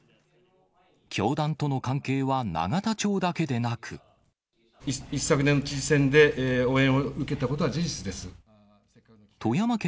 教団との関係は、一昨年の知事選で応援を受けたことは事実です。